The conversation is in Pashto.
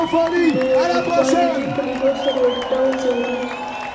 نو ليکوال د دوي په ليدو سره يو ډول ځوريږي.